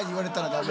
ダメ？